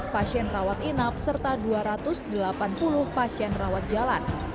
tujuh belas pasien rawat inap serta dua ratus delapan puluh pasien rawat jalan